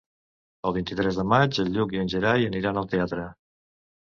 El vint-i-tres de maig en Lluc i en Gerai aniran al teatre.